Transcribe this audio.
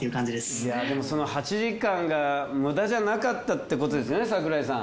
いやぁでもその８時間が無駄じゃなかったってことですね桜井さん。